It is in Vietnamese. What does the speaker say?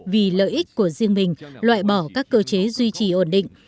vì lợi ích của riêng mình loại bỏ các cơ chế duy trì ổn định